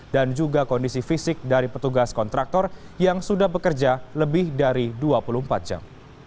juga kondisi fisik dari petugas kontraktor yang sudah bekerja lebih dari dua puluh empat jam